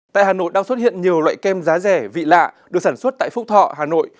tại hà nội đang xuất hiện nhiều loại kem giá rẻ vị lạ được sản xuất tại phúc thọ hà nội